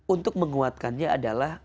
untuk menguatkannya adalah